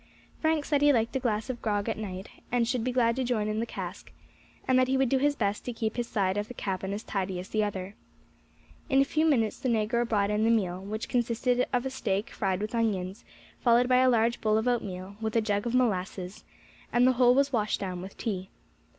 Frank said he liked a glass of grog at night, and should be glad to join in the cask, and that he would do his best to keep his side of the cabin as tidy as the other. In a few minutes the negro brought in the meal, which consisted of a steak fried with onions, followed by a large bowl of oatmeal, with a jug of molasses, and the whole was washed down with tea.